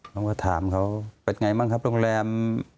ผมก็ถามเขาเป็นไงบ้างครับโรงแรม